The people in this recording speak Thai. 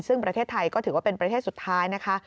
ซึ่งประเทศไทยก็ถือว่าเป็นประเทศสุดท้ายนะคะ